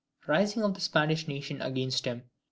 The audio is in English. Rising of the Spanish nation against him.